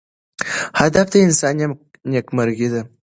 هدف د انسان نیکمرغي ده.